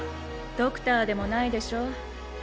ドクターでもないでしょ。